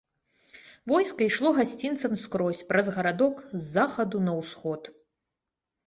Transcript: Войска ішло гасцінцам скрозь праз гарадок, з захаду на усход.